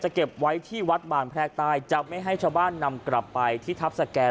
เก็บไว้ที่วัดบานแพรกใต้จะไม่ให้ชาวบ้านนำกลับไปที่ทัพสแก่